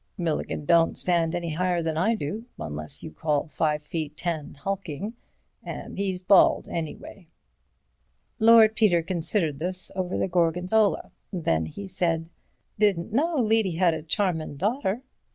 "Milligan don't stand any higher than I do, unless you call five feet ten hulking—and he's bald, anyway." Lord Peter considered this over the Gorgonzola. Then he said: "Didn't know Levy had a charmin' daughter."